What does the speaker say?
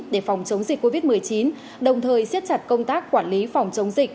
để phòng chống dịch covid một mươi chín đồng thời siết chặt công tác quản lý phòng chống dịch